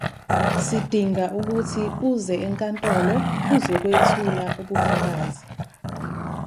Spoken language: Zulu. Sidinga ukuthi uze enkantolo uzokwethula ubufakazi.